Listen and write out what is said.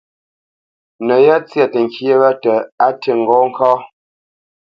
No yá tsya təŋkyé wa tə á ti ŋgó ŋká.